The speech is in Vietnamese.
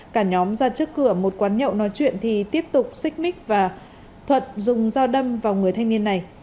cả nhóm ra trước cửa một quán nhậu nói chuyện thì tiếp tục xích mích và thuận dùng dao đâm vào người thanh niên này